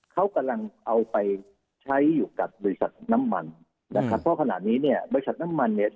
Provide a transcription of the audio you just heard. เขากำลังเอาไปใช้อยู่กับบริษัทน้ำมันเพราะขณะนี้บริษัทน้ำมัน